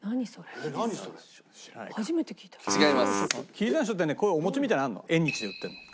切山椒ってねこういうお餅みたいなのがあるの縁日で売ってるの。